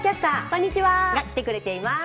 が来てくれています。